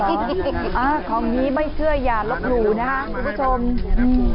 อันนี้น่าจะออกอ่าาะอ่าอ่าของนี้ไม่เชื่อยาลบหลู่นะครับ